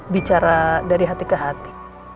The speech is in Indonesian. bicara dari hati ke hati